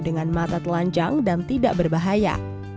dengan mata telanjang dan tidak berbahaya